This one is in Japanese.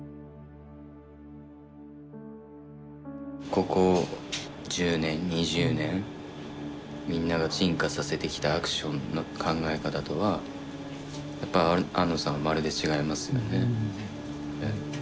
ここ１０年２０年みんなが進化させてきたアクションの考え方とはやっぱ庵野さんはまるで違いますよね。